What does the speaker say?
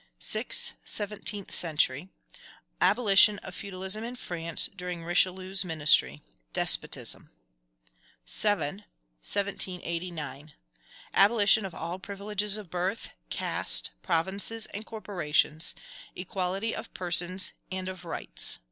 6. Seventeenth century. Abolition of feudalism in France during Richelieu's ministry. Despotism. 7. 1789. Abolition of all privileges of birth, caste, provinces, and corporations; equality of persons and of rights.